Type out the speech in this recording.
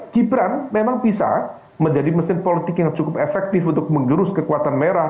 gibran memang bisa menjadi mesin politik yang cukup efektif untuk mengerus kekuatan merah